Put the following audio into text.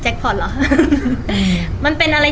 ที่ผ่านกลางมันก็มีปัญหา